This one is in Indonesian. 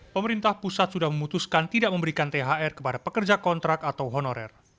pemerintah pusat sudah memutuskan tidak memberikan thr kepada pekerja kontrak atau honorer